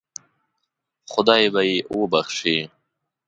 خدای به یې وبخشي.